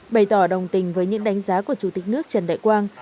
bày tỏ đồng tình với những đánh giá của chủ tịch nước trần đại quang